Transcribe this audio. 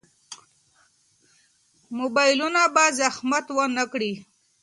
موبایلونه به مزاحمت ونه کړي.